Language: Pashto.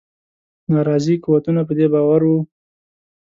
ناراضي قوتونه په دې باور وه.